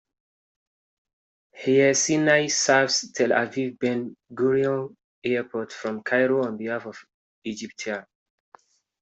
Air Sinai serves Tel Aviv-Ben Gurion Airport from Cairo on behalf of Egyptair.